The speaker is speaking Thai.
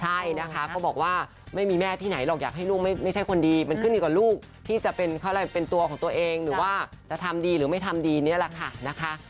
ใช่นะคะก็บอกว่าไม่มีแม่ที่ไหนหรอกอยากให้ลูกไม่ใช่คนดีมันขึ้นดีกว่าลูกที่จะเป็นตัวของตัวเองหรือว่าจะทำดีหรือไม่ทำดีนี่แหละค่ะนะคะ